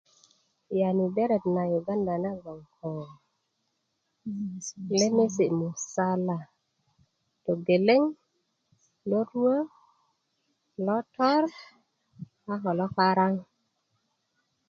yani beret na yuganda na gboŋ ko lemesi' musala togeleŋ loruwö lotor a ko loparaŋ